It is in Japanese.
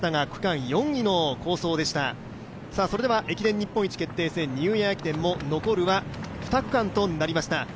駅伝日本一決定戦、ニューイヤー駅伝も残るは２区間となりました。